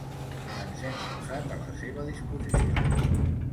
Ens hem posat a la seva disposició.